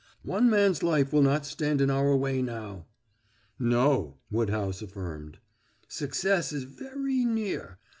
"One man's life will not stand in our way now." "No," Woodhouse affirmed. "Success is veree near.